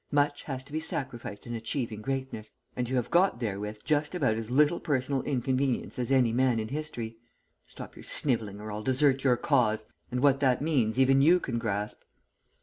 Much has to be sacrificed in achieving greatness, and you have got therewith just about as little personal inconvenience as any man in history. Stop your snivelling, or I'll desert your cause, and what that means even you can grasp.'